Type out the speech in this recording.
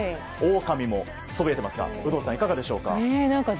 オオカミもそびえてますが有働さん、いかがでしょうか。